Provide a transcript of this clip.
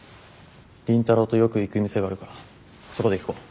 倫太郎とよく行く店があるからそこで聞こう。